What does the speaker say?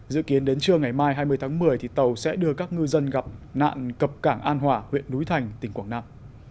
dự kiến đến trưa ngày mai hai mươi tháng một mươi tàu sẽ đưa các ngư dân gặp nạn cập cảng an hòa huyện núi thành tỉnh quảng nam